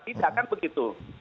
tidak kan begitu